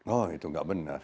oh itu enggak benar